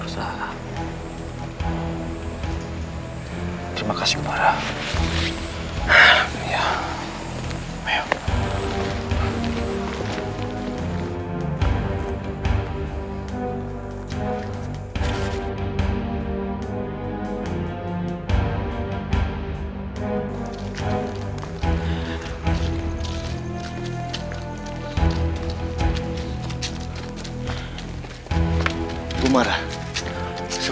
saya akan berusaha